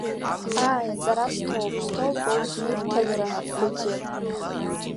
Ааи, аҵара сҭоуп, сҭоуп аусурҭадара афакультет!